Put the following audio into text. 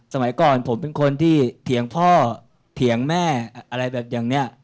สมัยก่อนผมเป็นคนที่เถียงพ่อเถียงแม่อะไรแบบอย่างนี้